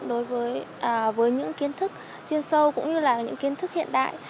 đối với những kiến thức chuyên sâu cũng như là những kiến thức hiện đại